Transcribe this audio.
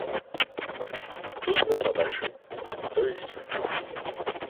Тут мы пабачым, хто ёсць хто.